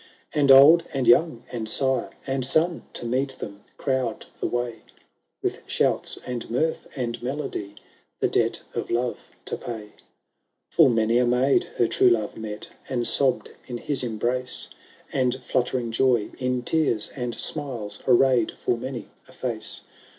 v And old and young, and sire and son. To meet them crowd the way, With shouts, and mirth, and melody, The debt of love to pay. VI Full many a maid her true love met, And sobbed in his embrace, And fluttering joy in tears and smiles Arrayed full many a face.